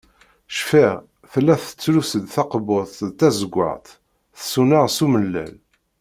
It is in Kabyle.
Cfiɣ, tella tettlus-d takebbuḍt d tazeggaɣt, tsuneɣ s umellal.